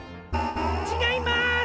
ちがいます！